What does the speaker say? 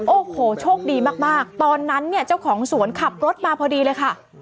โอ้โหโชคดีมากตอนนั้นเนี่ยเจ้าของสวนขับรถมาพอดีเลยค่ะ